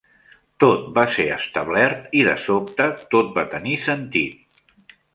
Tot va ser establert i, de sobte, tot va tenir sentit.